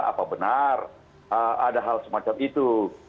apa benar ada hal semacam itu